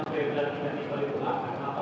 baru diisi pak